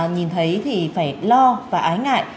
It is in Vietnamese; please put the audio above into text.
nhìn thấy thì phải lo và ái ngại